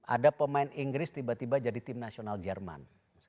ada pemain inggris tiba tiba jadi tim nasional jerman